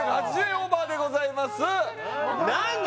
オーバーでございます何で？